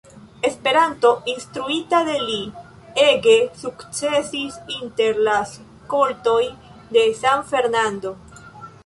Esperanto, instruita de li, ege sukcesis inter la skoltoj de San Fernando.